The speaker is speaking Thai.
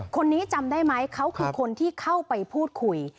คนนี้จำได้ไหมเขาคือคนที่เข้าไปพูดคุย